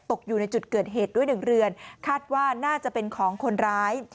อยู่ในจุดเกิดเหตุด้วยหนึ่งเรือนคาดว่าน่าจะเป็นของคนร้าย